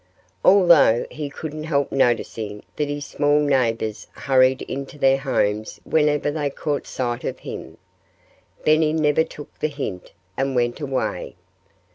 Although he couldn't help noticing that his small neighbors hurried into their homes whenever they caught sight of him, Benny never took the hint and went away.